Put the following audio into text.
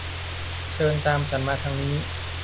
เชิญตามฉันมาทางนี้